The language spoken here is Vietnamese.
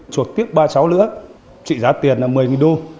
chuộc tiếc ba cháu nữa trị giá tiền là một mươi đô